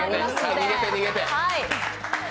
逃げて、逃げて。